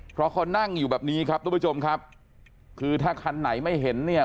เพราะเขานั่งอยู่แบบนี้ครับทุกผู้ชมครับคือถ้าคันไหนไม่เห็นเนี่ย